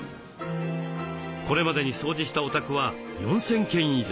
これまでに掃除したお宅は４，０００軒以上。